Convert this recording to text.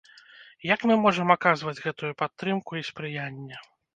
Як мы можам аказваць гэтую падтрымку і спрыянне?